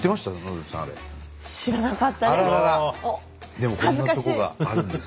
でもこんなとこがあるんです。